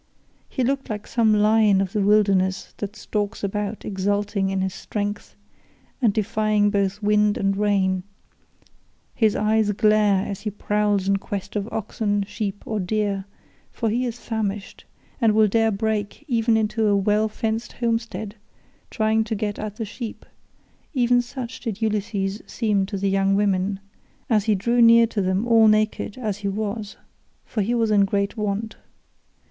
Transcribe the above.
He looked like some lion of the wilderness that stalks about exulting in his strength and defying both wind and rain; his eyes glare as he prowls in quest of oxen, sheep, or deer, for he is famished, and will dare break even into a well fenced homestead, trying to get at the sheep—even such did Ulysses seem to the young women, as he drew near to them all naked as he was, for he was in great want.